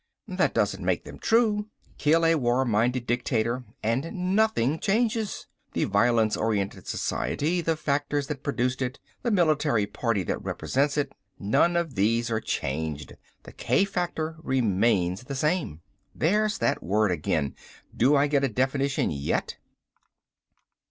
That doesn't make them true. Kill a war minded dictator and nothing changes. The violence orientated society, the factors that produced it, the military party that represents it none of these are changed. The k factor remains the same." "There's that word again. Do I get a definition yet?"